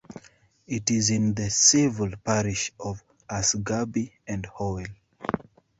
It is in the civil parish of Asgarby and Howell.